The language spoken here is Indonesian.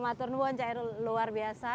maturnuan cairul luar biasa